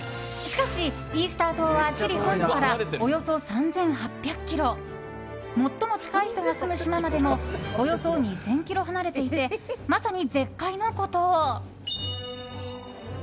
しかし、イースター島はチリ本土からおよそ３８００ｋｍ最も近い人が住む島までもおよそ２０００ｋｍ離れていてまさに、絶海の孤島。